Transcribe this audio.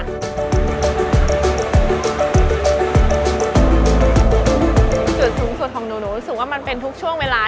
จุดสูงสุดของหนูหนูรู้สึกว่ามันเป็นทุกช่วงเวลา